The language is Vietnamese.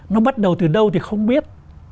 nó bắt đầu từ đâu thì không biết